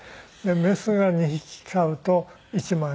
メスが２匹買うと１万円？